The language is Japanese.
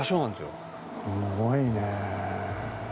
すごいね。